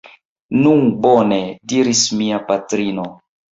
Nu bone, diris mia patrino.